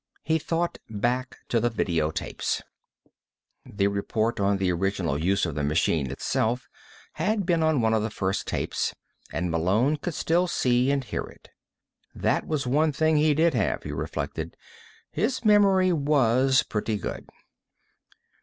He thought back to the video tapes. The report on the original use of the machine itself had been on one of the first tapes, and Malone could still see and hear it. That was one thing he did have, he reflected; his memory was pretty good.